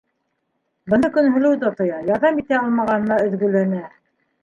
Быны Көнһылыу ҙа тоя, ярҙам итә алмағанына өҙгөләнә.